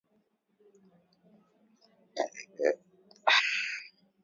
huo katika mazungumzo na kiongozi huyo mkongwe wa Uganda